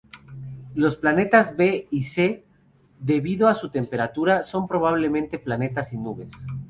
Los planetas "b" y "c", debido a su temperatura, son probablemente planetas sin nubes.